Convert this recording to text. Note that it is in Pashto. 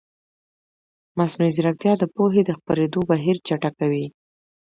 مصنوعي ځیرکتیا د پوهې د خپرېدو بهیر چټکوي.